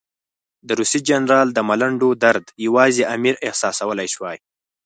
د روسي جنرال د ملنډو درد یوازې امیر احساسولای شوای.